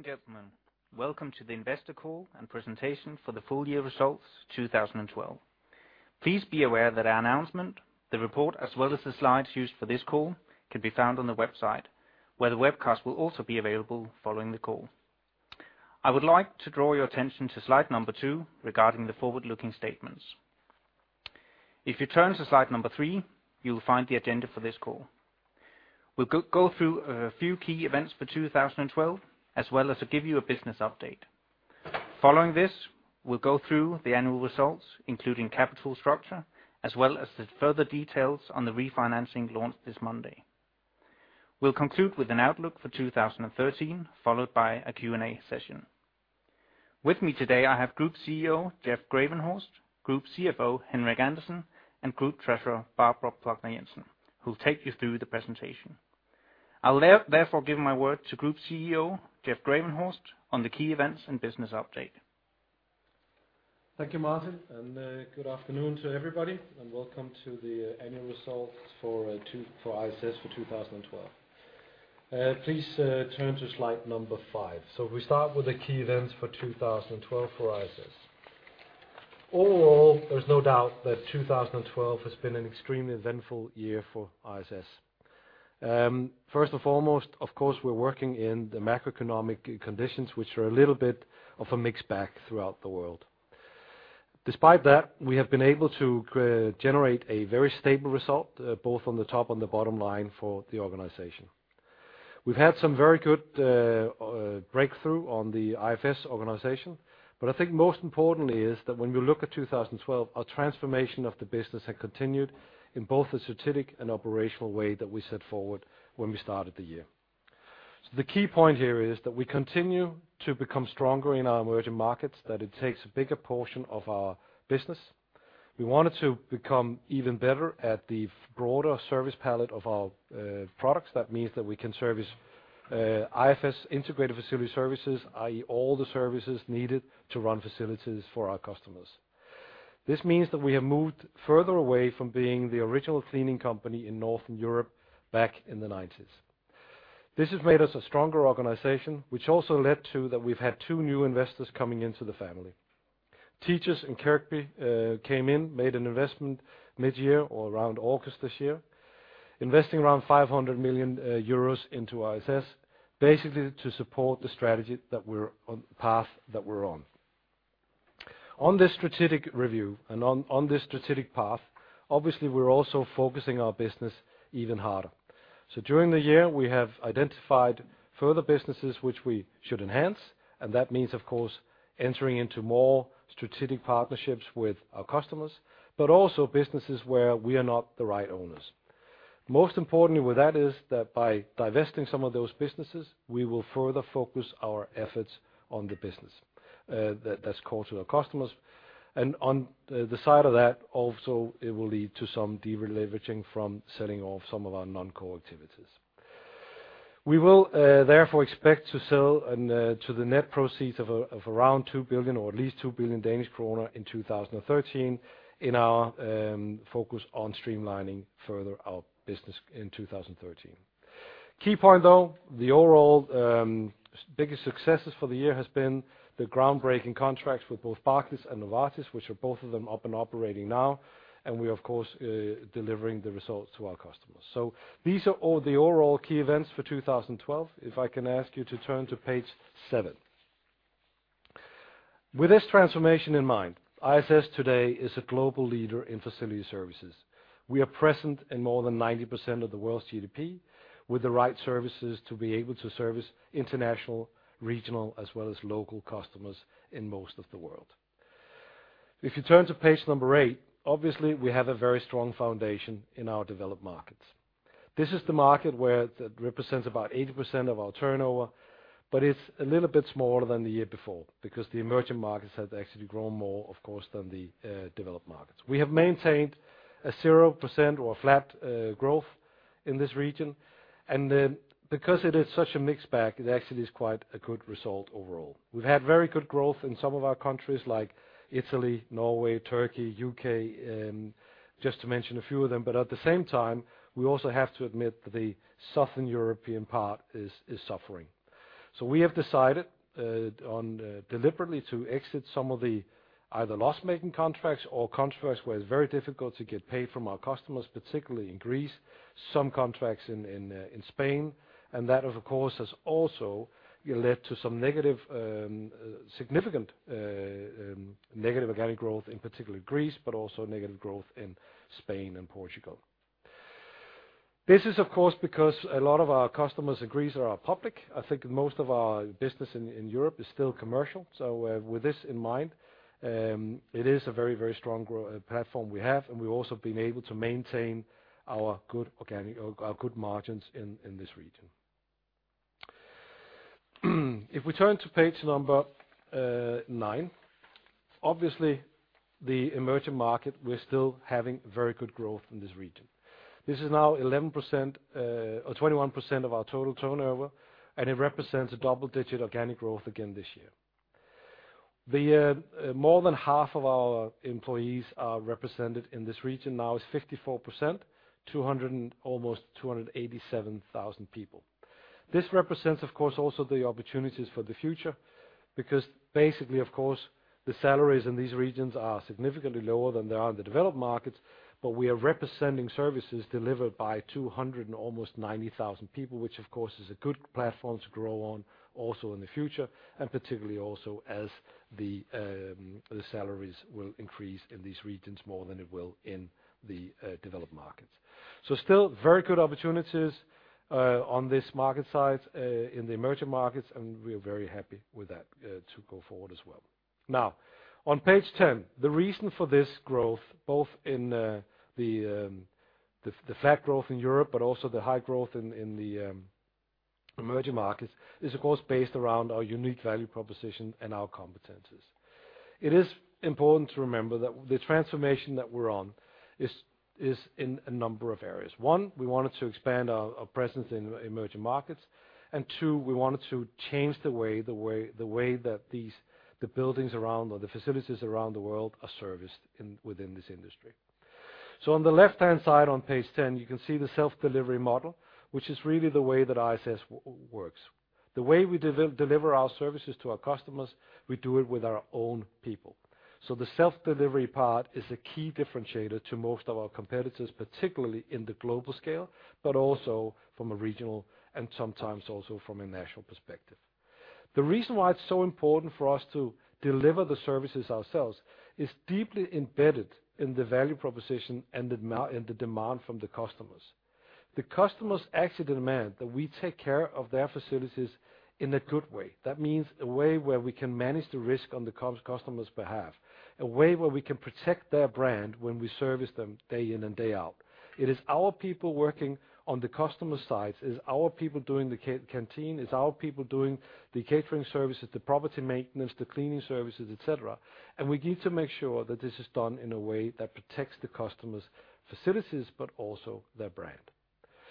Ladies and gentlemen, welcome to the investor call and presentation for the full year results 2012. Please be aware that our announcement, the report, as well as the slides used for this call, can be found on the website, where the webcast will also be available following the call. I would like to draw your attention to slide number two regarding the forward-looking statements. If you turn to slide number three, you will find the agenda for this call. We'll go through a few key events for 2012, as well as give you a business update. Following this, we'll go through the annual results, including capital structure, as well as the further details on the refinancing launch this Monday. We'll conclude with an outlook for 2013, followed by a Q&A session. With me today, I have Group CEO, Jeff Gravenhorst, Group CFO, Henrik Andersen, and Group Treasurer, Barbara Plougmann Jensen, who'll take you through the presentation. I'll therefore give my word to Group CEO, Jeff Gravenhorst, on the key events and business update. Thank you, Martin, and good afternoon to everybody, and welcome to the annual results for ISS for 2012. Please turn to slide number five. We start with the key events for 2012 for ISS. Overall, there's no doubt that 2012 has been an extremely eventful year for ISS. First and foremost, of course, we're working in the macroeconomic conditions, which are a little bit of a mixed bag throughout the world. Despite that, we have been able to generate a very stable result, both on the top and the bottom line for the organization. We've had some very good breakthrough on the IFS organization. I think most important is that when we look at 2012, our transformation of the business had continued in both the strategic and operational way that we set forward when we started the year. The key point here is that we continue to become stronger in our emerging markets, that it takes a bigger portion of our business. We wanted to become even better at the broader service palette of our products. That means that we can service IFS, integrated facility services, i.e. all the services needed to run facilities for our customers. This means that we have moved further away from being the original cleaning company in Northern Europe back in the '90s. This has made us a stronger organization, which also led to that we've had two new investors coming into the family. Teachers' and KIRKBI came in, made an investment mid-year or around August this year, investing around 500 million euros into ISS, basically to support the path that we're on. On this strategic review and on this strategic path, obviously, we're also focusing our business even harder. During the year, we have identified further businesses which we should enhance, and that means, of course, entering into more strategic partnerships with our customers, but also businesses where we are not the right owners. Most importantly with that is that by divesting some of those businesses, we will further focus our efforts on the business that's core to our customers. On the side of that, also, it will lead to some de-leveraging from selling off some of our non-core activities. We will therefore expect to sell to the net proceeds of around 2 billion or at least 2 billion Danish kroner in 2013 in our focus on streamlining further our business in 2013. Key point, though, the overall biggest successes for the year has been the groundbreaking contracts with both Barclays and Novartis, which are both of them up and operating now, and we are, of course, delivering the results to our customers. These are all the overall key events for 2012, if I can ask you to turn to page seven. With this transformation in mind, ISS today is a global leader in facility services. We are present in more than 90% of the world's GDP with the right services to be able to service international, regional, as well as local customers in most of the world. If you turn to page number eight, obviously, we have a very strong foundation in our developed markets. This is the market that represents about 80% of our turnover, but it's a little bit smaller than the year before because the emerging markets have actually grown more, of course, than the developed markets. We have maintained a 0% or flat growth in this region. Because it is such a mixed bag, it actually is quite a good result overall. We've had very good growth in some of our countries like Italy, Norway, Turkey, U.K., just to mention a few of them. But at the same time, we also have to admit the Southern European part is suffering. We have decided deliberately to exit some of the either loss-making contracts or contracts where it's very difficult to get paid from our customers, particularly in Greece, some contracts in Spain. That, of course, has also led to some significant negative organic growth in particularly Greece, but also negative growth in Spain and Portugal. This is, of course, because a lot of our customers in Greece are public. I think most of our business in Europe is still commercial. With this in mind, it is a very strong platform we have, and we've also been able to maintain our good margins in this region. If we turn to page number nine, obviously the emerging market, we're still having very good growth in this region. This is now 21% of our total turnover, and it represents a double-digit organic growth again this year. More than half of our employees are represented in this region now. It's 54%, almost 287,000 people. This represents, of course, also the opportunities for the future, because basically, of course, the salaries in these regions are significantly lower than they are in the developed markets, but we are representing services delivered by almost 290,000 people, which of course is a good platform to grow on also in the future, and particularly also as the salaries will increase in these regions more than it will in the developed markets. Still very good opportunities on this market side in the emerging markets, and we are very happy with that to go forward as well. On page 10, the reason for this growth, both in the flat growth in Europe, but also the high growth in the emerging markets is, of course, based around our unique value proposition and our competencies. It is important to remember that the transformation that we're on is in a number of areas. One, we wanted to expand our presence in emerging markets, and two, we wanted to change the way that the buildings around or the facilities around the world are serviced within this industry. On the left-hand side, on page 10, you can see the self-delivery model, which is really the way that ISS works. The way we deliver our services to our customers, we do it with our own people. The self-delivery part is a key differentiator to most of our competitors, particularly in the global scale, but also from a regional and sometimes also from a national perspective. The reason why it's so important for us to deliver the services ourselves is deeply embedded in the value proposition and the demand from the customers. The customers actually demand that we take care of their facilities in a good way. That means a way where we can manage the risk on the customer's behalf, a way where we can protect their brand when we service them day in and day out. It is our people working on the customer sites. It's our people doing the canteen, it's our people doing the catering services, the property maintenance, the cleaning services, et cetera, and we need to make sure that this is done in a way that protects the customer's facilities, but also their brand.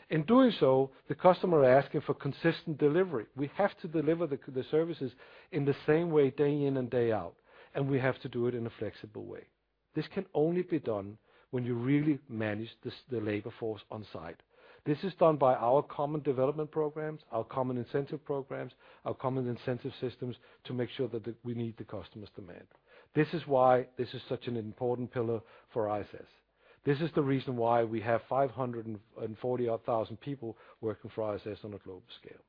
In doing so, the customer are asking for consistent delivery. We have to deliver the services in the same way, day in and day out, and we have to do it in a flexible way. This can only be done when you really manage the labor force on site. This is done by our common development programs, our common incentive programs, our common incentive systems to make sure that we meet the customer's demand. This is why this is such an important pillar for ISS. This is the reason why we have 540,000 odd people working for ISS on a global scale.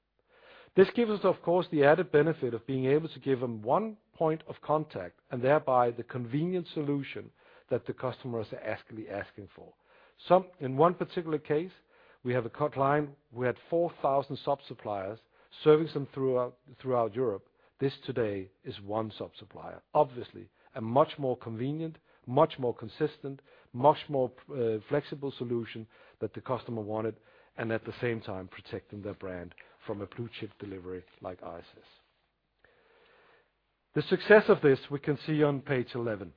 This gives us, of course, the added benefit of being able to give them one point of contact and thereby the convenient solution that the customers are asking for. In one particular case, we have a client, we had 4,000 sub-suppliers servicing throughout Europe. This today is one sub-supplier. Obviously, a much more convenient, much more consistent, much more flexible solution that the customer wanted and at the same time protecting their brand from a blue-chip delivery like ISS. The success of this we can see on page 11.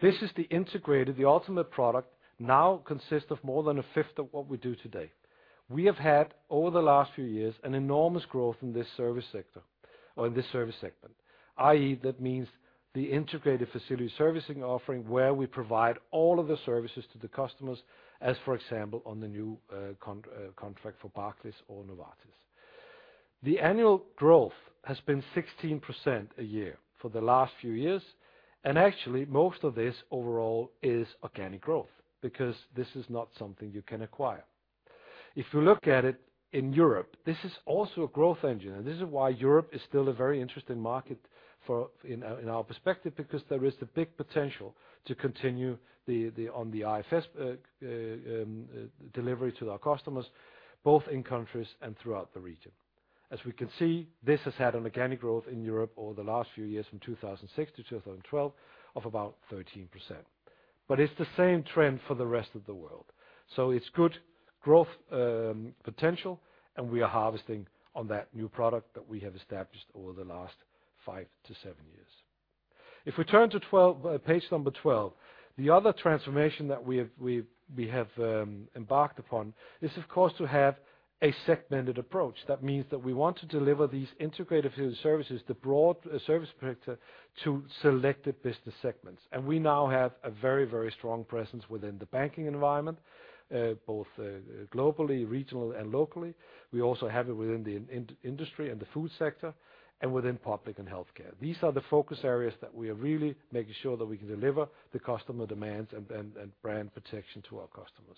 This is the integrated, the ultimate product now consists of more than a fifth of what we do today. We have had, over the last few years, an enormous growth in this service sector or in this service segment, i.e., that means the integrated facility services offering where we provide all of the services to the customers as, for example, on the new contract for Barclays or Novartis. The annual growth has been 16% a year for the last few years, and actually, most of this overall is organic growth because this is not something you can acquire. If you look at it in Europe, this is also a growth engine, and this is why Europe is still a very interesting market in our perspective, because there is the big potential to continue on the ISS delivery to our customers, both in countries and throughout the region. As we can see, this has had an organic growth in Europe over the last few years from 2006 to 2012 of about 13%. It's the same trend for the rest of the world. It's good growth potential, and we are harvesting on that new product that we have established over the last five to seven years. If we turn to page number 12, the other transformation that we have embarked upon is, of course, to have a segmented approach. That means that we want to deliver these integrated facility services, the broad service provider, to selected business segments. We now have a very strong presence within the banking environment, both globally, regional, and locally. We also have it within the industry and the food sector and within public and healthcare. These are the focus areas that we are really making sure that we can deliver the customer demands and brand protection to our customers.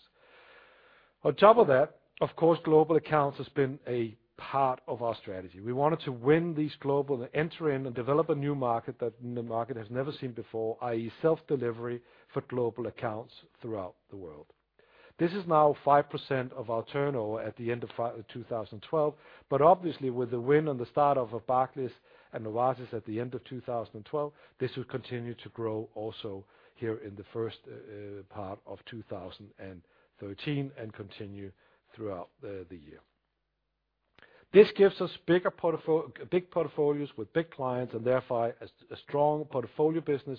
On top of that, of course, global accounts has been a part of our strategy. We wanted to win these global, enter in, and develop a new market that the market has never seen before, i.e., self-delivery for global accounts throughout the world. This is now 5% of our turnover at the end of 2012. Obviously, with the win and the start of Barclays and Novartis at the end of 2012, this will continue to grow also here in the first part of 2013 and continue throughout the year. This gives us big portfolios with big clients and therefore a strong portfolio business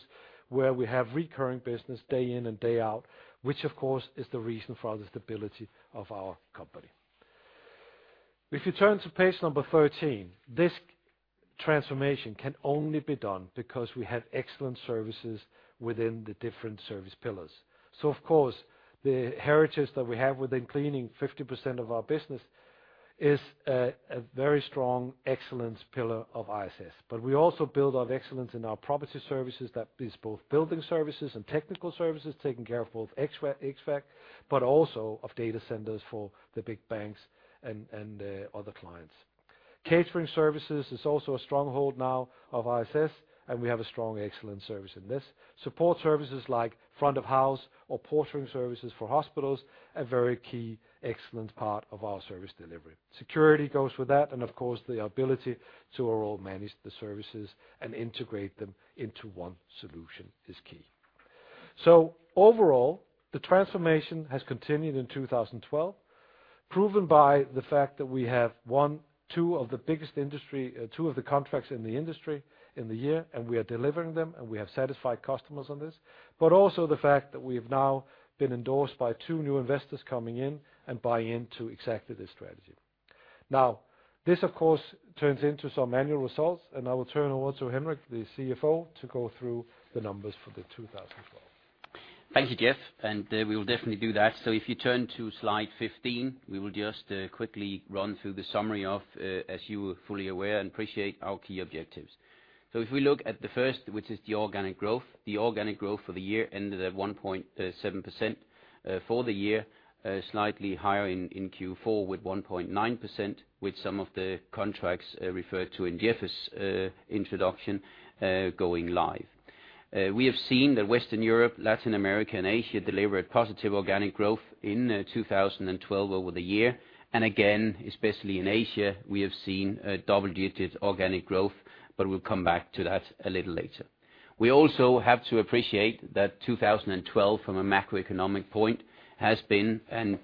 where we have recurring business day in and day out, which of course is the reason for the stability of our company. If you turn to page number 13, this transformation can only be done because we have excellent services within the different service pillars. Of course, the heritage that we have within cleaning, 50% of our business, is a very strong excellence pillar of ISS. We also build our excellence in our property services. That is both building services and technical services, taking care of both CAFM, but also of data centers for the big banks and other clients. Catering services is also a stronghold now of ISS, and we have a strong excellence service in this. Support services like front of house or portering services for hospitals, a very key excellence part of our service delivery. Security goes with that, and of course, the ability to overall manage the services and integrate them into one solution is key. Overall, the transformation has continued in 2012, proven by the fact that we have won two of the contracts in the industry in the year, and we are delivering them and we have satisfied customers on this, but also the fact that we have now been endorsed by two new investors coming in and buying into exactly this strategy. This, of course, turns into some annual results, and I will turn over to Henrik, the CFO, to go through the numbers for the 2012. Thank you, Jeff, we will definitely do that. If you turn to slide 15, we will just quickly run through the summary of, as you are fully aware and appreciate, our key objectives. If we look at the first, which is the organic growth, the organic growth for the year ended at 1.7% for the year, slightly higher in Q4 with 1.9% with some of the contracts referred to in Jeff's introduction going live. We have seen that Western Europe, Latin America, and Asia delivered positive organic growth in 2012 over the year. Again, especially in Asia, we have seen a double-digit organic growth, but we will come back to that a little later. We also have to appreciate that 2012, from a macroeconomic point, has been and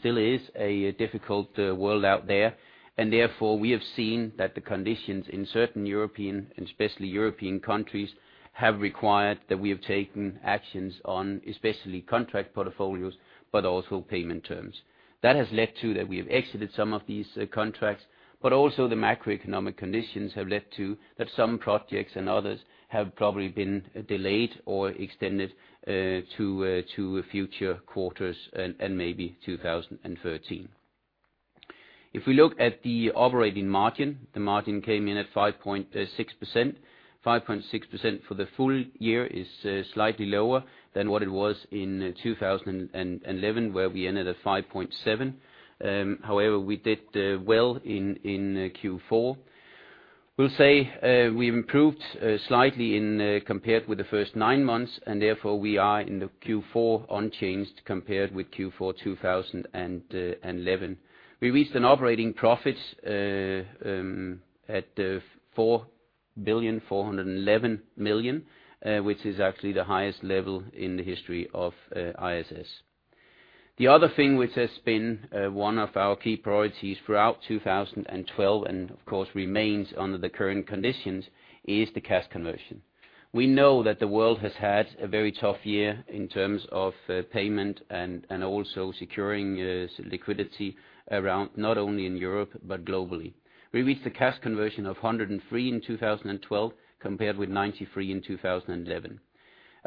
still is a difficult world out there. Therefore, we have seen that the conditions in certain European, and especially European countries, have required that we have taken actions on especially contract portfolios, but also payment terms. That has led to that we have exited some of these contracts, but also the macroeconomic conditions have led to that some projects and others have probably been delayed or extended to future quarters and maybe 2013. If we look at the operating margin, the margin came in at 5.6%. 5.6% for the full year is slightly lower than what it was in 2011, where we ended at 5.7%. However, we did well in Q4. We will say we improved slightly compared with the first nine months, therefore we are in the Q4 unchanged compared with Q4 2011. We reached an operating profit at 4,411,000,000, which is actually the highest level in the history of ISS. The other thing which has been one of our key priorities throughout 2012, and of course remains under the current conditions, is the cash conversion. We know that the world has had a very tough year in terms of payment and also securing liquidity around not only in Europe but globally. We reached a cash conversion of 103% in 2012 compared with 93% in 2011.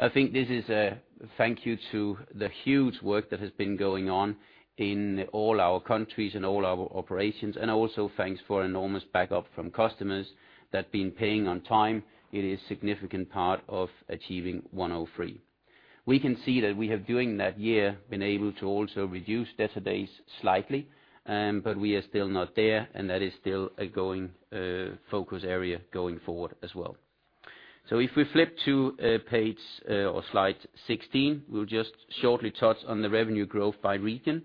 I think this is a thank you to the huge work that has been going on in all our countries and all our operations, and also thanks for enormous backup from customers that have been paying on time. It is significant part of achieving 103%. We can see that we have, during that year, been able to also reduce debtor days slightly, but we are still not there, and that is still a focus area going forward as well. If we flip to slide 16, we'll just shortly touch on the revenue growth by region,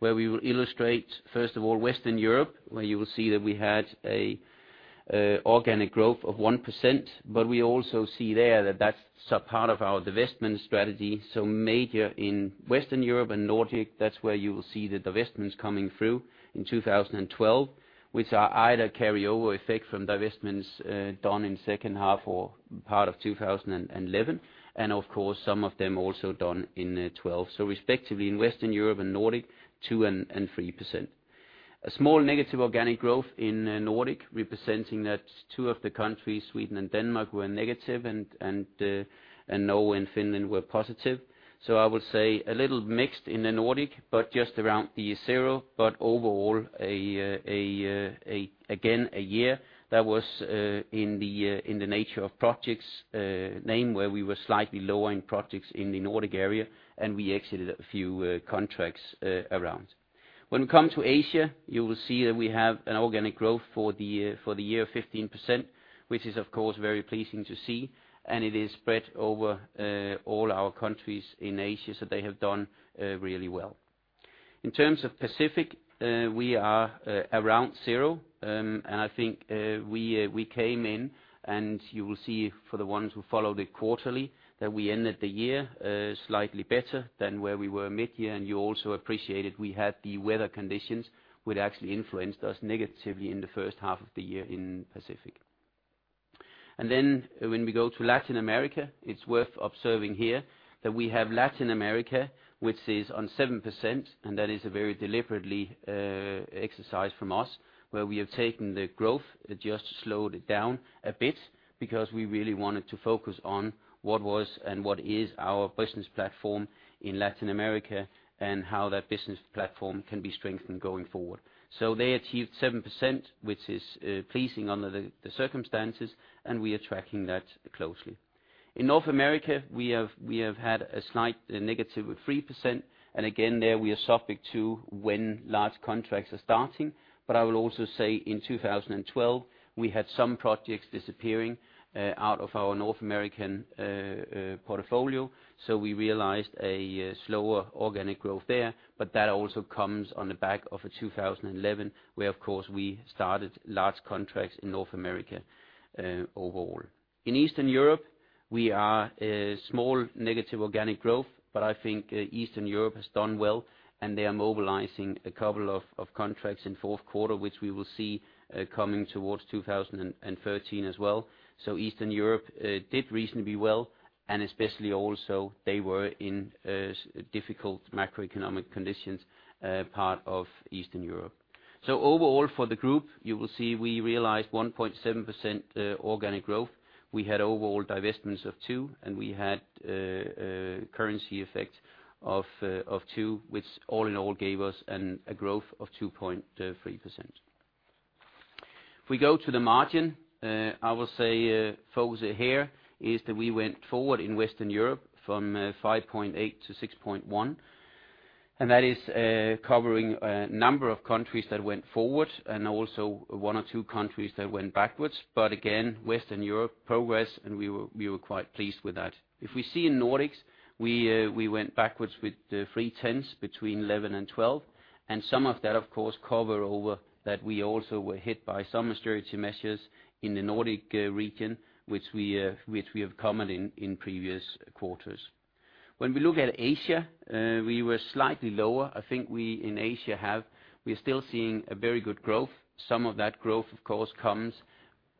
where we will illustrate, first of all, Western Europe, where you will see that we had an organic growth of 1%, but we also see there that that's a part of our divestment strategy. Major in Western Europe and Nordic, that's where you will see the divestments coming through in 2012, which are either carryover effect from divestments done in second half or part of 2011. Of course, some of them also done in 2012. Respectively in Western Europe and Nordic, 2% and 3%. A small negative organic growth in Nordic, representing that two of the countries, Sweden and Denmark, were negative, and Norway and Finland were positive. I would say a little mixed in the Nordic, but just around the zero. Overall, again, a year that was in the nature of projects name where we were slightly lower in projects in the Nordic area and we exited a few contracts around. When we come to Asia, you will see that we have an organic growth for the year of 15%, which is of course very pleasing to see. It is spread over all our countries in Asia, so they have done really well. In terms of Pacific, we are around zero. I think we came in, and you will see for the ones who follow the quarterly, that we ended the year slightly better than where we were mid-year. You also appreciated we had the weather conditions would actually influenced us negatively in the first half of the year in Pacific. When we go to Latin America, it's worth observing here that we have Latin America, which is on 7%, that is a very deliberate exercise from us, where we have taken the growth, just slowed it down a bit because we really wanted to focus on what was and what is our business platform in Latin America and how that business platform can be strengthened going forward. They achieved 7%, which is pleasing under the circumstances, we are tracking that closely. In North America, we have had a slight negative of 3%, again, there we are subject to when large contracts are starting. I will also say in 2012, we had some projects disappearing out of our North American portfolio, so we realized a slower organic growth there. That also comes on the back of a 2011, where of course we started large contracts in North America, overall. In Eastern Europe, we are a small negative organic growth, I think Eastern Europe has done well, they are mobilizing a couple of contracts in fourth quarter, which we will see coming towards 2013 as well. Eastern Europe did reasonably well especially also they were in a difficult macroeconomic conditions part of Eastern Europe. Overall for the group, you will see we realized 1.7% organic growth. We had overall divestments of two, we had currency effect of two, which all in all gave us a growth of 2.3%. If we go to the margin, I will say focus here is that we went forward in Western Europe from 5.8% to 6.1%, and that is covering a number of countries that went forward and also one or two countries that went backwards. Again, Western Europe progress, and we were quite pleased with that. If we see in Nordics, we went backwards with 0.3% between 2011 and 2012. Some of that, of course, cover over that we also were hit by some austerity measures in the Nordic region, which we have commented in previous quarters. When we look at Asia, we were slightly lower. I think we, in Asia, we're still seeing a very good growth. Some of that growth, of course, comes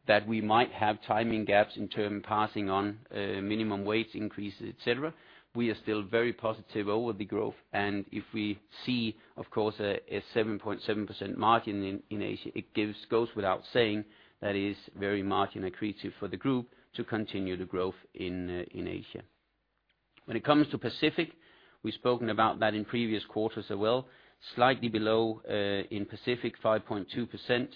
that we might have timing gaps in term passing on minimum wage increases, et cetera. We are still very positive over the growth. If we see, of course, a 7.7% margin in Asia, it goes without saying that is very margin accretive for the group to continue the growth in Asia. When it comes to Pacific, we've spoken about that in previous quarters as well, slightly below in Pacific, 5.2%.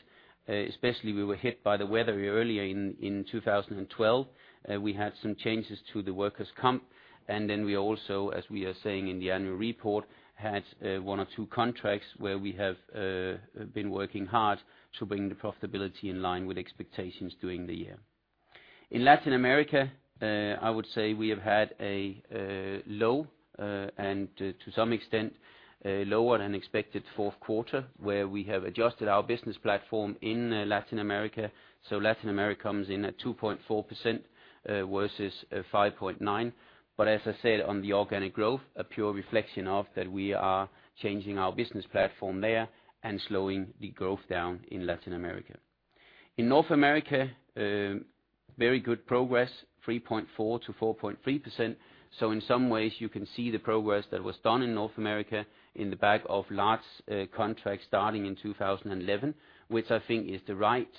Especially we were hit by the weather earlier in 2012. We had some changes to the workers' compensation. Then we also, as we are saying in the annual report, had one or two contracts where we have been working hard to bring the profitability in line with expectations during the year. In Latin America, I would say we have had a low, and to some extent, a lower-than-expected fourth quarter where we have adjusted our business platform in Latin America. Latin America comes in at 2.4% versus 5.9%. As I said on the organic growth, a pure reflection of that we are changing our business platform there and slowing the growth down in Latin America. In North America, very good progress, 3.4%-4.3%. In some ways you can see the progress that was done in North America in the back of large contracts starting in 2011, which I think is the right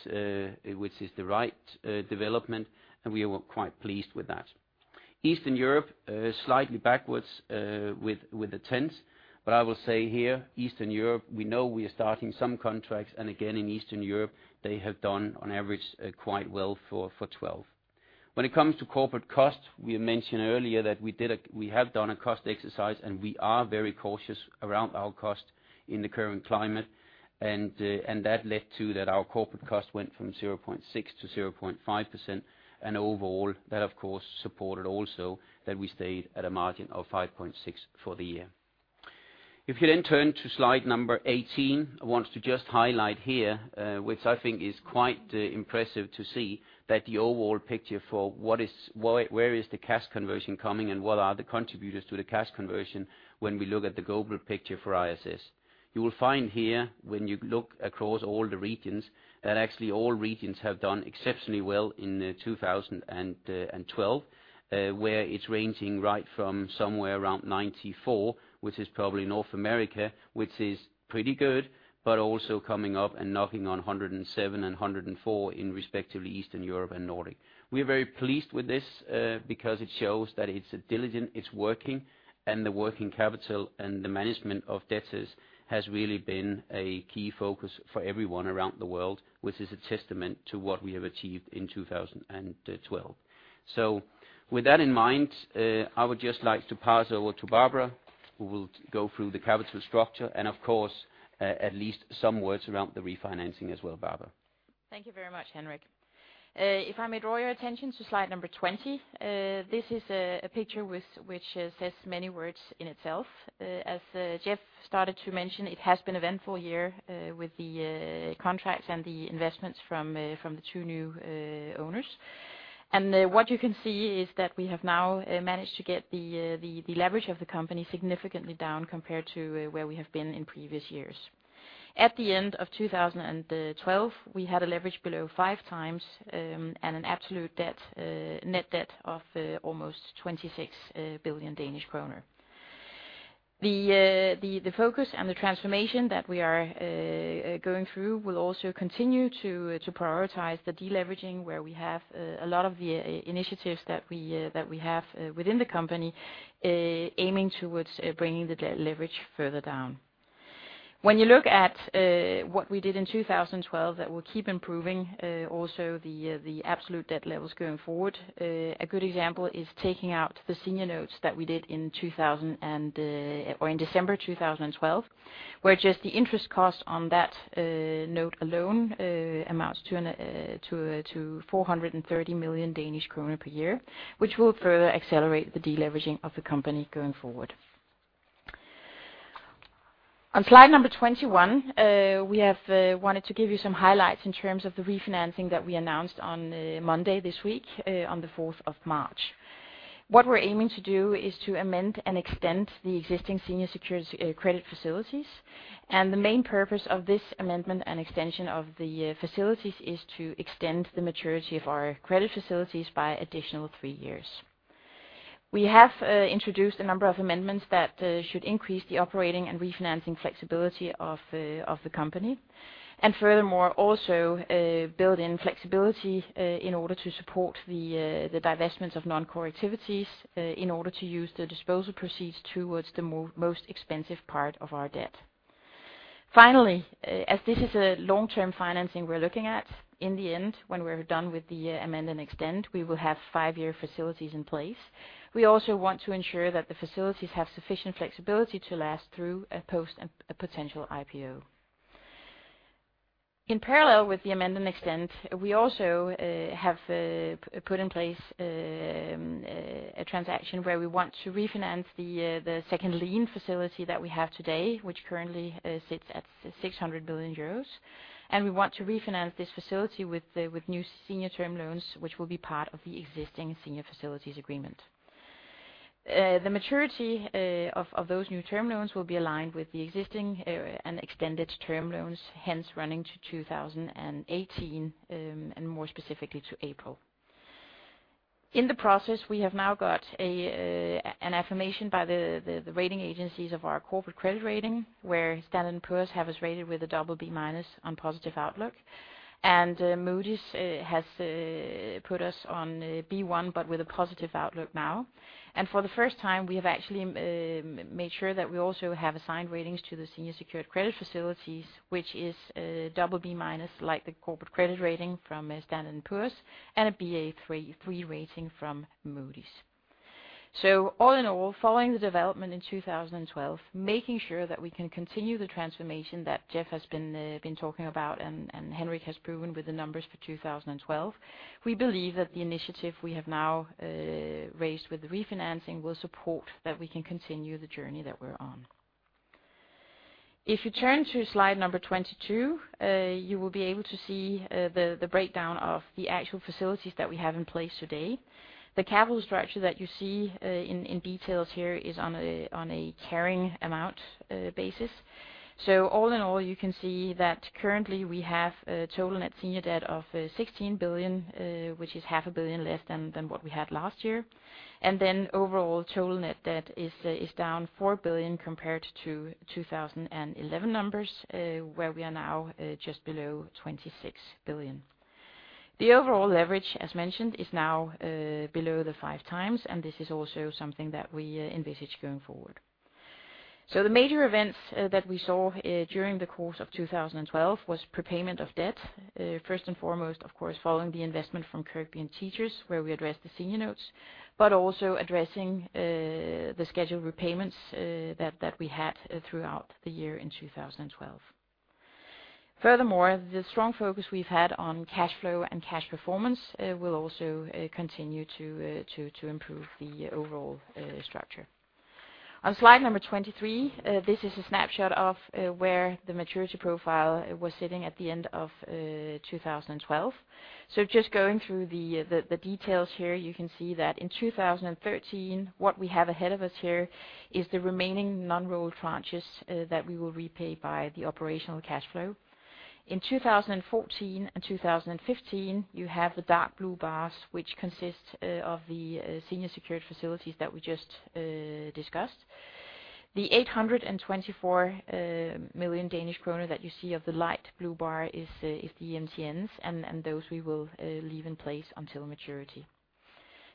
development, and we were quite pleased with that. Eastern Europe, slightly backwards, with 0.1%. I will say here, Eastern Europe, we know we are starting some contracts, and again, in Eastern Europe, they have done on average quite well for 2012. When it comes to corporate costs, we mentioned earlier that we have done a cost exercise, and we are very cautious around our cost in the current climate. That led to that our corporate cost went from 0.6% to 0.5%, and overall, that of course supported also that we stayed at a margin of 5.6% for the year. If you turn to slide number 18, I want to just highlight here, which I think is quite impressive to see that the overall picture for where is the cash conversion coming and what are the contributors to the cash conversion when we look at the global picture for ISS. You will find here, when you look across all the regions, that actually all regions have done exceptionally well in 2012, where it's ranging right from somewhere around 94%, which is probably North America, which is pretty good, but also coming up and knocking on 107% and 104% in respectively Eastern Europe and Nordic. We are very pleased with this, because it shows that it's diligent, it's working, and the working capital and the management of debtors has really been a key focus for everyone around the world, which is a testament to what we have achieved in 2012. With that in mind, I would just like to pass over to Barbara, who will go through the capital structure and of course, at least some words around the refinancing as well. Barbara? Thank you very much, Henrik. If I may draw your attention to slide number 20. This is a picture which says many words in itself. As Jeff started to mention, it has been eventful year, with the contracts and the investments from the two new owners. What you can see is that we have now managed to get the leverage of the company significantly down compared to where we have been in previous years. At the end of 2012, we had a leverage below five times and an absolute net debt of almost 26 billion Danish kroner. The focus and the transformation that we are going through will also continue to prioritize the deleveraging, where we have a lot of the initiatives that we have within the company aiming towards bringing the leverage further down. When you look at what we did in 2012, that will keep improving also the absolute debt levels going forward. A good example is taking out the senior notes that we did in December 2012, where just the interest cost on that note alone amounts to 430 million Danish kroner per year, which will further accelerate the deleveraging of the company going forward. On slide number 21, we have wanted to give you some highlights in terms of the refinancing that we announced on Monday this week, on the 4th of March. What we're aiming to do is to amend and extend the existing senior secured credit facilities. The main purpose of this amend and extend of the facilities is to extend the maturity of our credit facilities by additional three years. We have introduced a number of amendments that should increase the operating and refinancing flexibility of the company. Furthermore, also build in flexibility in order to support the divestments of non-core activities in order to use the disposal proceeds towards the most expensive part of our debt. Finally, as this is a long-term financing we're looking at, in the end, when we're done with the amend and extend, we will have five-year facilities in place. We also want to ensure that the facilities have sufficient flexibility to last through a post and a potential IPO. In parallel with the amend and extend, we also have put in place a transaction where we want to refinance the second lien facility that we have today, which currently sits at 600 million euros. We want to refinance this facility with new senior term loans, which will be part of the existing senior facilities agreement. The maturity of those new term loans will be aligned with the existing and extended term loans, hence running to 2018, and more specifically to April. In the process, we have now got an affirmation by the rating agencies of our corporate credit rating, where Standard & Poor's have us rated with a BB- on positive outlook, and Moody's has put us on B1, but with a positive outlook now. For the first time, we have actually made sure that we also have assigned ratings to the senior secured credit facilities, which is a BB-, like the corporate credit rating from Standard & Poor's, and a Ba3 rating from Moody's. All in all, following the development in 2012, making sure that we can continue the transformation that Jeff has been talking about and Henrik has proven with the numbers for 2012. We believe that the initiative we have now raised with the refinancing will support that we can continue the journey that we're on. If you turn to slide number 22, you will be able to see the breakdown of the actual facilities that we have in place today. The capital structure that you see in details here is on a carrying amount basis. All in all, you can see that currently we have a total net senior debt of 16 billion, which is 0.5 billion less than what we had last year. Then overall total net debt is down 4 billion compared to 2011 numbers, where we are now just below 26 billion. The overall leverage, as mentioned, is now below the 5 times, and this is also something that we envisage going forward. The major events that we saw during the course of 2012 was prepayment of debt. First and foremost, of course, following the investment from KIRKBI and Teachers, where we addressed the senior notes, but also addressing the scheduled repayments that we had throughout the year in 2012. Furthermore, the strong focus we've had on cash flow and cash performance will also continue to improve the overall structure. On slide number 23, this is a snapshot of where the maturity profile was sitting at the end of 2012. Just going through the details here, you can see that in 2013, what we have ahead of us here is the remaining non-rolled tranches that we will repay by the operational cash flow. In 2014 and 2015, you have the dark blue bars, which consist of the senior secured facilities that we just discussed. The 824 million Danish kroner that you see of the light blue bar is the MTNs, and those we will leave in place until maturity.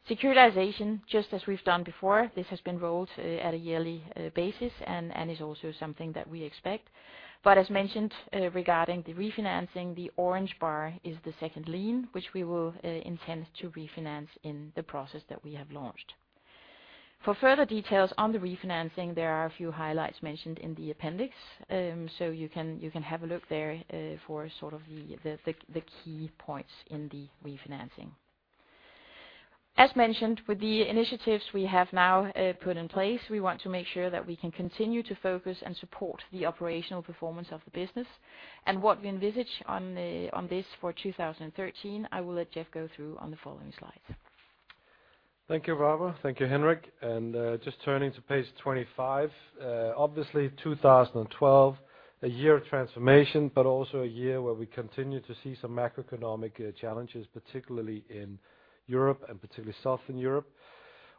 Securitization, just as we've done before, this has been rolled at a yearly basis and is also something that we expect. As mentioned regarding the refinancing, the orange bar is the second lien, which we will intend to refinance in the process that we have launched. For further details on the refinancing, there are a few highlights mentioned in the appendix. You can have a look there for sort of the key points in the refinancing. As mentioned, with the initiatives we have now put in place, we want to make sure that we can continue to focus and support the operational performance of the business. What we envisage on this for 2013, I will let Jeff go through on the following slides. Thank you, Barbara. Thank you, Henrik. Just turning to page 25. Obviously 2012, a year of transformation, but also a year where we continue to see some macroeconomic challenges, particularly in Europe and particularly Southern Europe.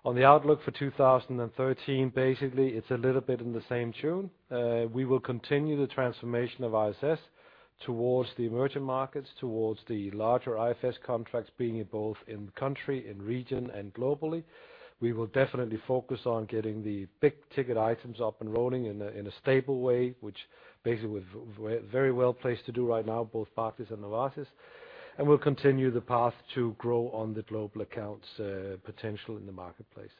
On the outlook for 2013, basically, it's a little bit in the same tune. We will continue the transformation of ISS towards the emerging markets, towards the larger ISS contracts, being both in country, in region and globally. We will definitely focus on getting the big-ticket items up and rolling in a stable way, which basically we're very well-placed to do right now, both Barclays and Novartis, and we'll continue the path to grow on the global accounts potential in the marketplace.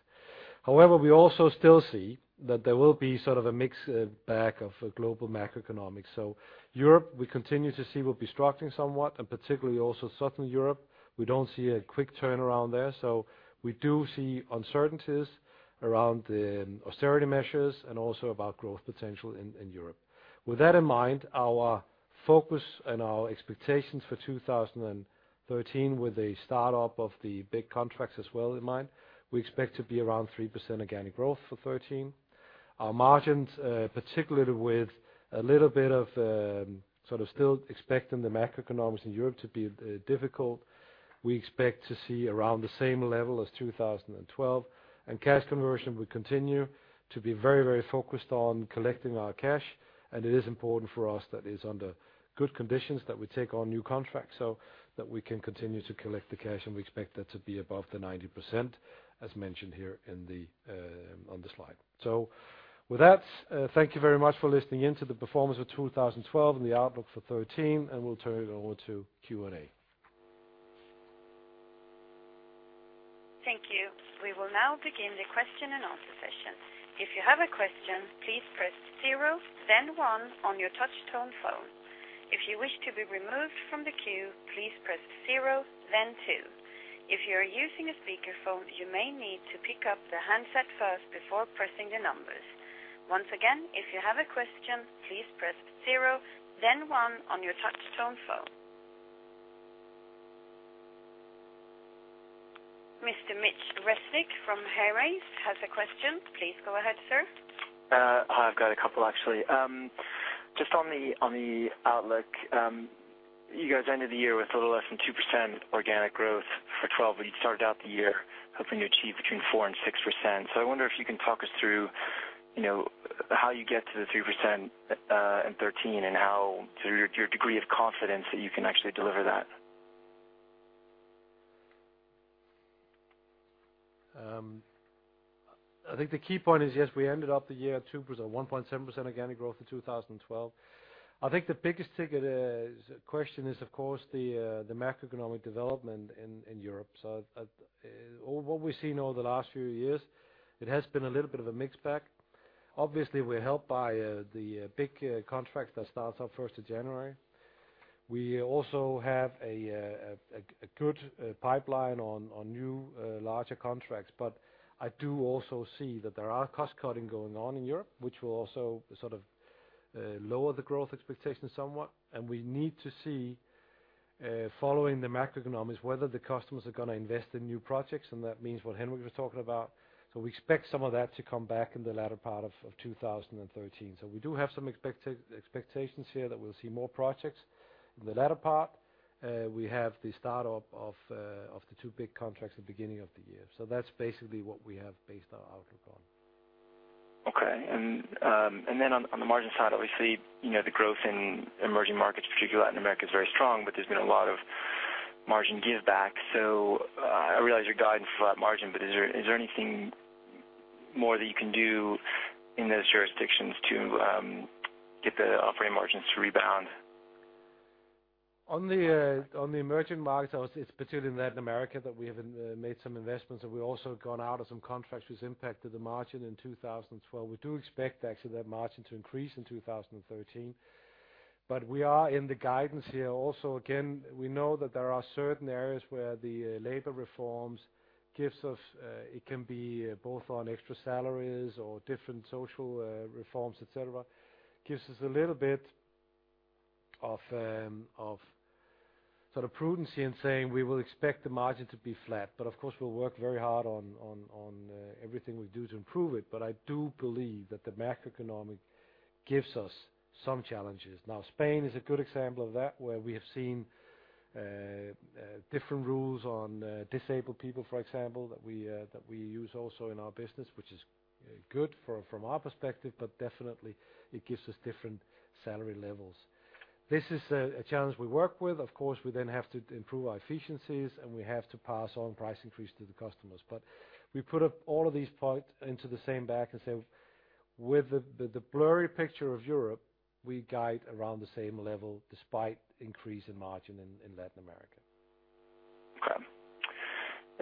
We also still see that there will be sort of a mixed bag of global macroeconomics. Europe, we continue to see will be struggling somewhat, and particularly also Southern Europe. We don't see a quick turnaround there, so we do see uncertainties around the austerity measures and also about growth potential in Europe. With that in mind, our focus and our expectations for 2013, with the start-up of the big contracts as well in mind, we expect to be around 3% organic growth for 2013. Our margins, particularly with a little bit of sort of still expecting the macroeconomics in Europe to be difficult, we expect to see around the same level as 2012. Cash conversion, we continue to be very focused on collecting our cash, and it is important for us that is under good conditions that we take on new contracts, so that we can continue to collect the cash, and we expect that to be above the 90%, as mentioned here on the slide. With that, thank you very much for listening in to the performance of 2012 and the outlook for 2013, and we'll turn it over to Q&A. Thank you. We will now begin the question and answer session. If you have a question, please press zero, then one on your touchtone phone. If you wish to be removed from the queue, please press zero, then two. If you are using a speakerphone, you may need to pick up the handset first before pressing the numbers. Once again, if you have a question, please press zero, then one on your touchtone phone. Mr. [Mitch Resnick from HighRise] has a question. Please go ahead, sir. Hi, I've got a couple, actually. Just on the outlook. You guys ended the year with a little less than 2% organic growth for 2012, you started out the year hoping to achieve between 4% and 6%. I wonder if you can talk us through how you get to the 3% in 2013 and your degree of confidence that you can actually deliver that. I think the key point is, yes, we ended up the year at 2%, 1.7% organic growth in 2012. I think the biggest ticket question is, of course, the macroeconomic development in Europe. What we've seen over the last few years, it has been a little bit of a mixed bag. Obviously, we're helped by the big contract that starts up 1st of January. We also have a good pipeline on new larger contracts. I do also see that there are cost cutting going on in Europe, which will also sort of lower the growth expectations somewhat. We need to see, following the macroeconomics, whether the customers are going to invest in new projects, and that means what Henrik was talking about. We expect some of that to come back in the latter part of 2013. We do have some expectations here that we'll see more projects in the latter part. We have the start-up of the two big contracts at the beginning of the year. That's basically what we have based our outlook on. Okay. On the margin side, obviously, the growth in emerging markets, particularly Latin America, is very strong, but there's been a lot of margin give back. I realize you're guiding for that margin, but is there anything more that you can do in those jurisdictions to get the operating margins to rebound? On the emerging markets, it's particularly in Latin America that we have made some investments, and we also have gone out of some contracts which has impacted the margin in 2012. We do expect, actually, that margin to increase in 2013. We are in the guidance here also. Again, we know that there are certain areas where the labor reforms gives us, it can be both on extra salaries or different social reforms, et cetera, gives us a little bit of sort of prudency in saying we will expect the margin to be flat. Of course, we'll work very hard on everything we do to improve it, but I do believe that the macroeconomic gives us some challenges. Spain is a good example of that, where we have seen different rules on disabled people, for example, that we use also in our business, which is good from our perspective, but definitely it gives us different salary levels. This is a challenge we work with. Of course, we then have to improve our efficiencies, and we have to pass on price increase to the customers. We put up all of these points into the same bag and say with the blurry picture of Europe, we guide around the same level despite increase in margin in Latin America. Okay.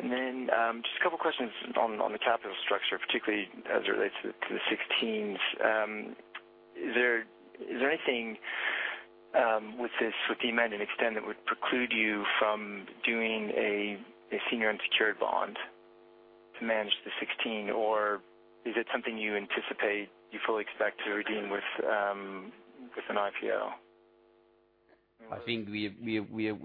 Just a couple of questions on the capital structure, particularly as it relates to the '16s. Is there anything with the amend and extend, that would preclude you from doing a senior unsecured bond to manage the '16, or is it something you anticipate you fully expect to redeem with an IPO? I think we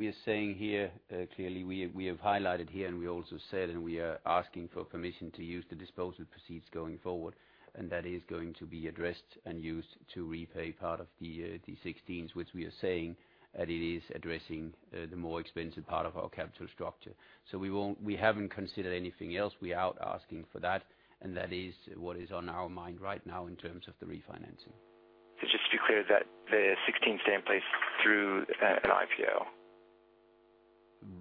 are saying here, clearly, we have highlighted here, we also said, we are asking for permission to use the disposal proceeds going forward, that is going to be addressed and used to repay part of the '16s, which we are saying that it is addressing the more expensive part of our capital structure. We haven't considered anything else. We are out asking for that is what is on our mind right now in terms of the refinancing. Just to be clear, the '16 stay in place through an IPO.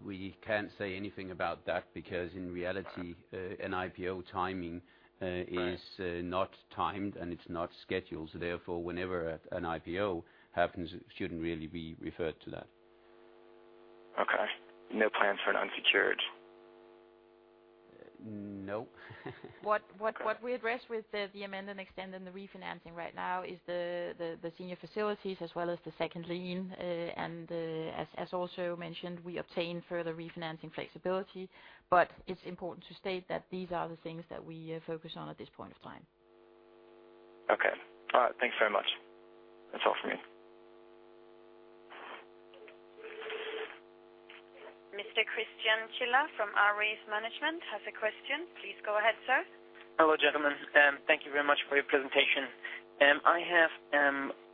We can't say anything about that, because in reality, an IPO timing is not timed, it's not scheduled. Therefore, whenever an IPO happens, it shouldn't really be referred to that. Okay. No plans for an unsecured? No. What we addressed with the amend and extend and the refinancing right now is the senior facilities as well as the second lien. As also mentioned, we obtain further refinancing flexibility. It's important to state that these are the things that we focus on at this point of time. Okay. All right. Thanks very much. That's all from me. Mr. [Christian Schiller from Ares Management] has a question. Please go ahead, sir. Hello, gentlemen. Thank you very much for your presentation. I have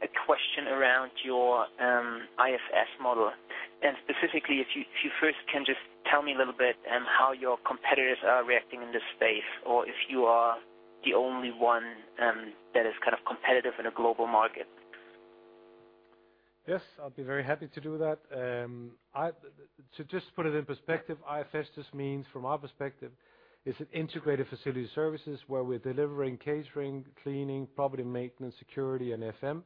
a question around your IFS model, specifically, if you first can just tell me a little bit how your competitors are reacting in this space, or if you are the only one that is kind of competitive in a global market. Yes, I'd be very happy to do that. To just put it in perspective, IFS just means, from our perspective, is an integrated facility services where we're delivering catering, cleaning, property maintenance, security, and FM.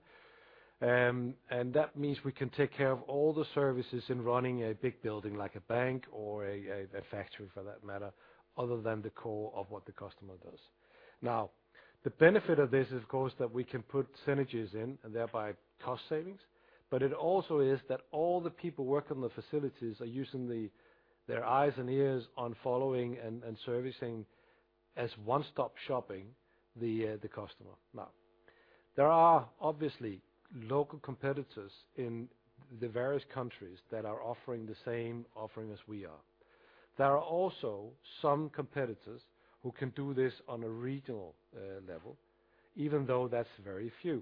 That means we can take care of all the services in running a big building like a bank or a factory for that matter, other than the core of what the customer does. The benefit of this is, of course, that we can put synergies in and thereby cost savings. It also is that all the people working on the facilities are using their eyes and ears on following and servicing as one-stop shopping the customer. There are obviously local competitors in the various countries that are offering the same offering as we are. There are also some competitors who can do this on a regional level, even though that's very few.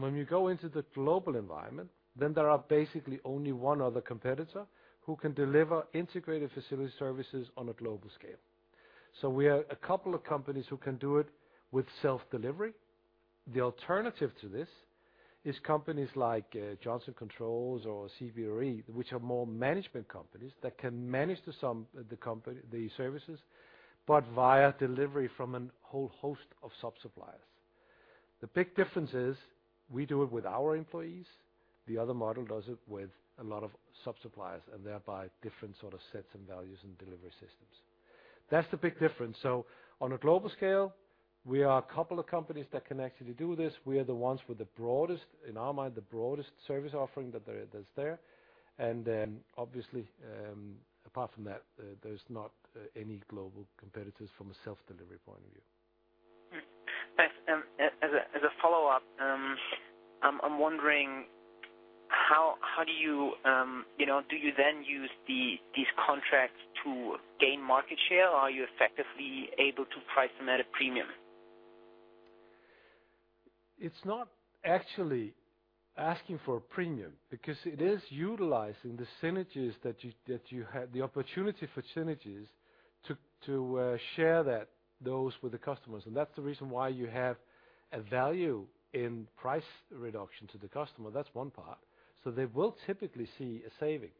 When you go into the global environment, there are basically only one other competitor who can deliver integrated facility services on a global scale. We are a couple of companies who can do it with self-delivery. The alternative to this is companies like Johnson Controls or CBRE, which are more management companies that can manage these services, but via delivery from a whole host of sub-suppliers. The big difference is we do it with our employees. The other model does it with a lot of sub-suppliers and thereby different sort of sets and values and delivery systems. That's the big difference. On a global scale, we are a couple of companies that can actually do this. We are the ones with the broadest, in our mind, the broadest service offering that's there. Obviously, apart from that, there's not any global competitors from a self-delivery point of view. Thanks. As a follow-up, I'm wondering, do you then use these contracts to gain market share, or are you effectively able to price them at a premium? It's not actually asking for a premium because it is utilizing the synergies that you had, the opportunity for synergies to share those with the customers. That's the reason why you have a value in price reduction to the customer. That's one part. They will typically see a saving.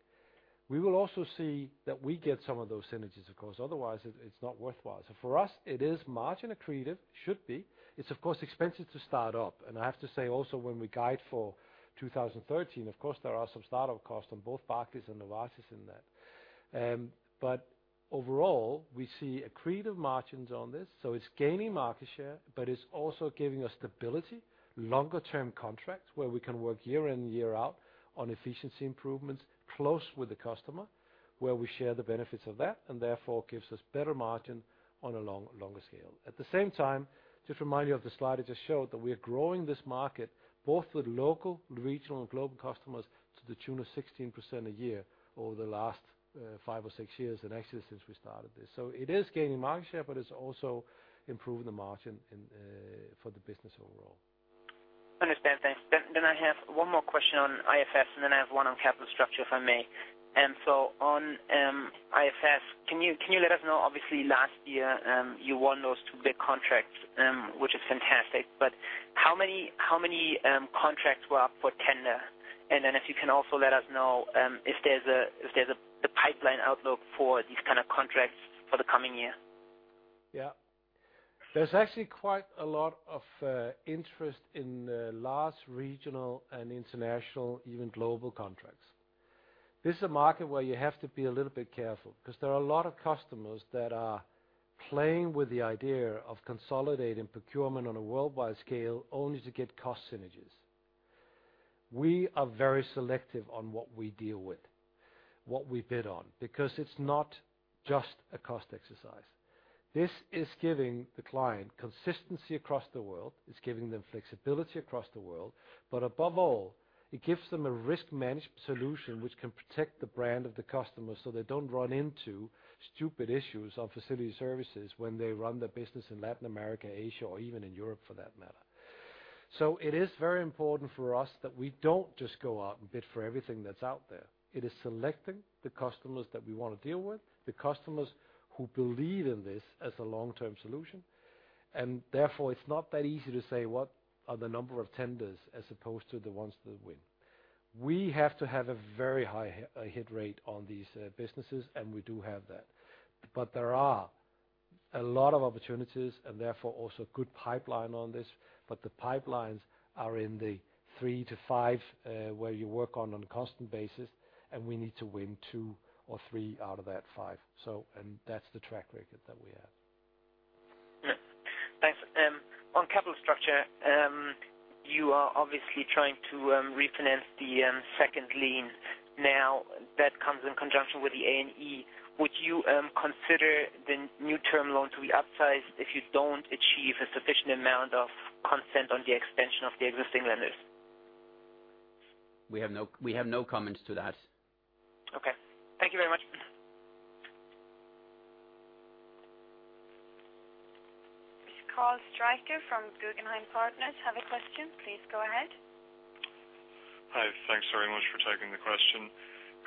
We will also see that we get some of those synergies, of course. Otherwise, it's not worthwhile. For us, it is margin accretive, should be. It's of course expensive to start up. I have to say also when we guide for 2013, of course, there are some start-up costs on both Barclays and Novartis in that. Overall, we see accretive margins on this, so it's gaining market share, but it's also giving us stability, longer term contracts where we can work year in, year out on efficiency improvements close with the customer, where we share the benefits of that and therefore gives us better margin on a longer scale. At the same time, just remind you of the slide I just showed, that we are growing this market both with local, regional, and global customers to the tune of 16% a year over the last five or six years, and actually since we started this. It is gaining market share, but it's also improving the margin for the business overall. Understand. Thanks. I have one more question on IFS, and then I have one on capital structure, if I may. On IFS, can you let us know, obviously last year, you won those two big contracts, which is fantastic, but how many contracts were up for tender? If you can also let us know if there's a pipeline outlook for these kind of contracts for the coming year. Yeah. There's actually quite a lot of interest in large regional and international, even global contracts. This is a market where you have to be a little bit careful, because there are a lot of customers that are playing with the idea of consolidating procurement on a worldwide scale, only to get cost synergies. We are very selective on what we deal with, what we bid on, because it's not just a cost exercise. This is giving the client consistency across the world. It's giving them flexibility across the world. Above all, it gives them a risk management solution which can protect the brand of the customer so they don't run into stupid issues of facility services when they run their business in Latin America, Asia, or even in Europe, for that matter. It is very important for us that we don't just go out and bid for everything that's out there. It is selecting the customers that we want to deal with, the customers who believe in this as a long-term solution, therefore, it's not that easy to say what are the number of tenders as opposed to the ones that win. We have to have a very high hit rate on these businesses, and we do have that. There are a lot of opportunities and therefore also good pipeline on this, but the pipelines are in the three to five where you work on a constant basis, and we need to win two or three out of that five. That's the track record that we have. Thanks. On capital structure, you are obviously trying to refinance the second lien now that comes in conjunction with the A&E. Would you consider the new term loan to be upsized if you don't achieve a sufficient amount of consent on the extension of the existing lenders? We have no comments to that. Okay. Thank you very much. Karl Strecker from Guggenheim Partners, have a question. Please go ahead. Hi. Thanks very much for taking the question.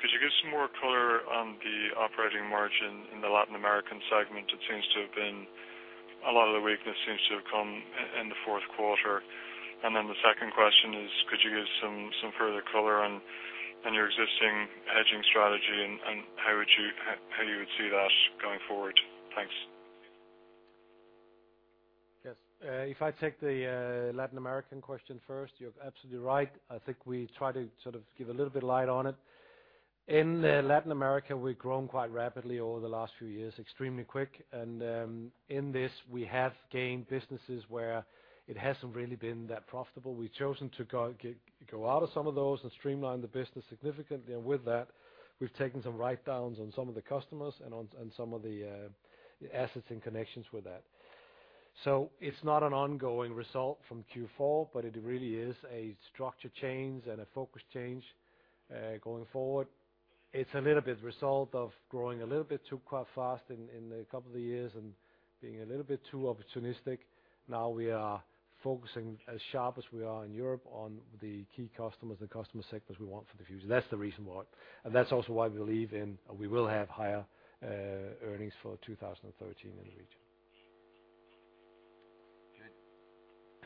Could you give some more color on the operating margin in the Latin American segment? A lot of the weakness seems to have come in the fourth quarter. The second question is, could you give some further color on your existing hedging strategy, and how you would see that going forward? Thanks. Yes. If I take the Latin American question first, you're absolutely right. I think we try to sort of give a little bit light on it. In Latin America, we've grown quite rapidly over the last few years, extremely quick. In this, we have gained businesses where it hasn't really been that profitable. We've chosen to go out of some of those and streamline the business significantly. With that, we've taken some write-downs on some of the customers and some of the assets and connections with that. It's not an ongoing result from Q4, but it really is a structure change and a focus change going forward. It's a little bit result of growing a little bit too quite fast in a couple of years and being a little bit too opportunistic. Now we are focusing as sharp as we are in Europe on the key customers and customer sectors we want for the future. That's the reason why. That's also why we believe in we will have higher earnings for 2013 in the region.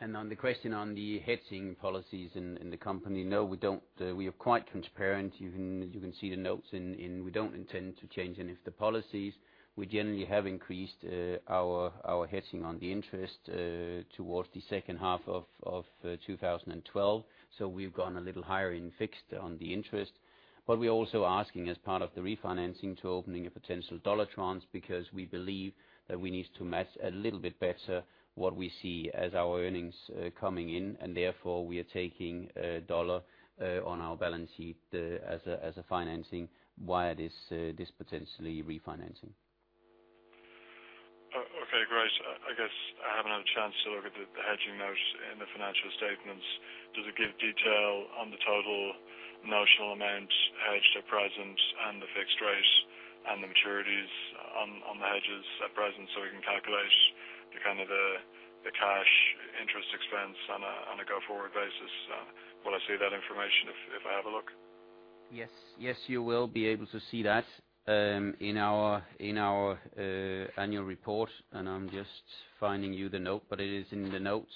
Good. On the question on the hedging policies in the company, no, we don't. We are quite transparent. You can see the notes. We don't intend to change any of the policies. We generally have increased our hedging on the interest towards the second half of 2012. We've gone a little higher in fixed on the interest. We're also asking as part of the refinancing to opening a potential dollar tranche because we believe that we need to match a little bit better what we see as our earnings coming in. Therefore, we are taking a dollar on our balance sheet as a financing via this potentially refinancing. Okay, great. I guess I haven't had a chance to look at the hedging notes in the financial statements. Does it give detail on the total notional amount hedged at present and the fixed rates and the maturities on the hedges at present so we can calculate the kind of the cash interest expense on a go-forward basis? Will I see that information if I have a look? Yes, you will be able to see that in our annual report. I'm just finding you the note, but it is in the notes.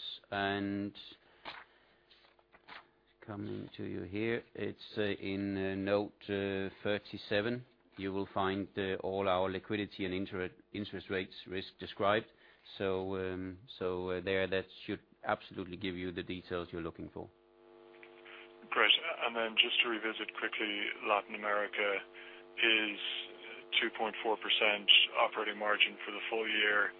Coming to you here. It's in note 37. You will find all our liquidity and interest rates risk described. There, that should absolutely give you the details you're looking for. Great. Just to revisit quickly, Latin America is 2.4% operating margin for the full year.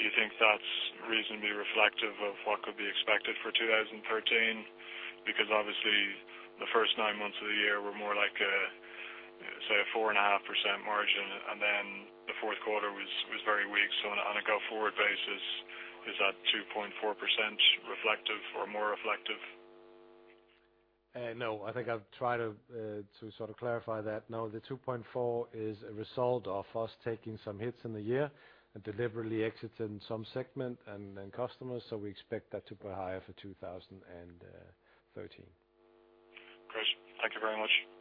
Do you think that's reasonably reflective of what could be expected for 2013? Obviously, the first nine months of the year were more like, say, a 4.5% margin. The fourth quarter was very weak. On a go-forward basis, is that 2.4% reflective or more reflective? No, I think I've tried to sort of clarify that. The 2.4% is a result of us taking some hits in the year and deliberately exiting some segment and customers. We expect that to be higher for 2013. Great. Thank you very much.